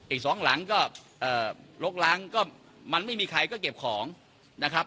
อีกสองหลังก็ลกล้างก็มันไม่มีใครก็เก็บของนะครับ